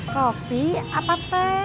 kopi apa teh